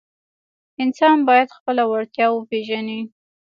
انسان باید خپله وړتیا وپیژني.